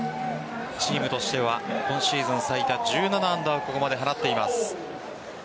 チームとしては今シーズン最多１７安打をここまで放っています。